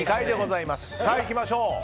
いきましょう！